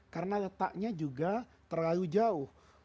karena letaknya juga terlalu jauh